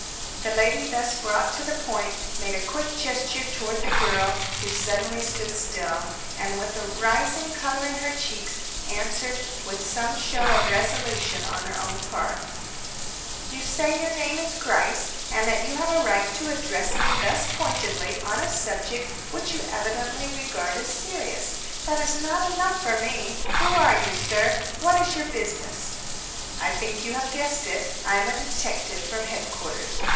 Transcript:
The lady thus brought to the point made a quick gesture towards the girl who suddenly stood still, and, with a rising colour in her cheeks, answered, with some show of resolution on her own part: "You say your name is Gryce and that you have a right to address me thus pointedly on a subject which you evidently regard as serious. That is not exact enough for me. Who are you, sir? What is your business?" "I think you have guessed it. I am a detective from Headquarters.